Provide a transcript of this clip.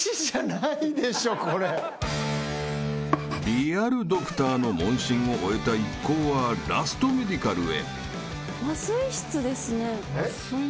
［リアルドクターの問診を終えた一行はラストメディカルへ］